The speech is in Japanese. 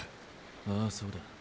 ああそうだ。